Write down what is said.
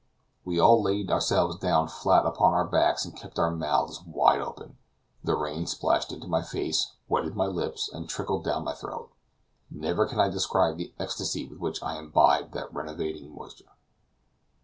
We all laid ourselves down flat upon our backs and kept our mouths wide open. The rain splashed into my face, wetted my lips, and trickled down my throat. Never can I describe the ecstasy with which I imbibed that renovating moisture.